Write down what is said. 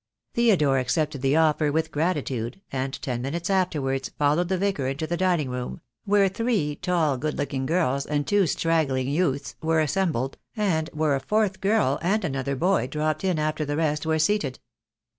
Theodore accepted the offer with gratitude, and ten minutes afterwards followed the Vicar into the dining room, where three tall, good looking girls and two strag gling youths were assembled, and where a fourth girl and another boy dropped in after the rest were seated.